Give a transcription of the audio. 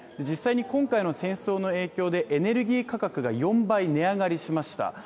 実際に今回の戦争の影響でエネルギー価格が４倍値上がりしました。